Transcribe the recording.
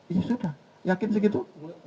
ya sudah yakin segitu